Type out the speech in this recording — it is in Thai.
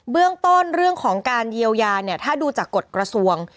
เรื่องต้นเรื่องของการเยียวยาเนี่ยถ้าดูจากกฎกระทรวง